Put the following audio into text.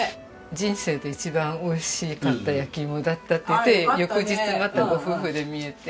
人生で一番おいしかった焼き芋だったって言って翌日またご夫婦で見えて。